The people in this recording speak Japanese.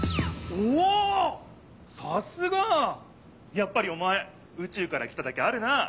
やっぱりおまえ宇宙から来ただけあるな。